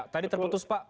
tadi terputus pak